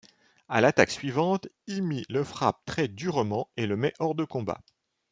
À l'attaque suivante, Imi le frappe très durement et le met hors de combat.